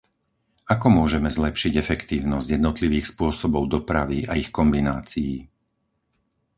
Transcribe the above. Ako môžeme zlepšiť efektívnosť jednotlivých spôsobov dopravy a ich kombinácií?